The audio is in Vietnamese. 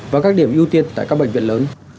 và các điểm ưu tiên tại các bệnh viện lớn